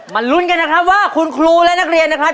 ลุ้นกันนะครับว่าคุณครูและนักเรียนนะครับ